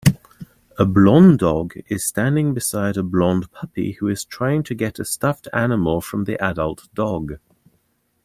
A blond dog is standing beside a blond puppy who is trying to get a stuffed animal from the adult dog